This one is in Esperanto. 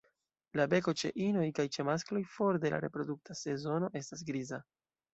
La beko ĉe inoj kaj ĉe maskloj for de la reprodukta sezono estas griza.